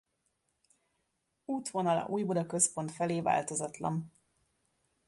Útvonala Újbuda-központ felé változatlan.